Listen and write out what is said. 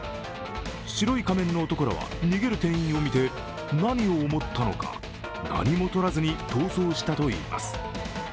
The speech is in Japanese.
白い仮面の男らは逃げる店員を見て何を思ったのか、何も取らずに逃走したといいます。